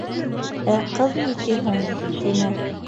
— Ә ҡыҙ ни ти һуң? — тине.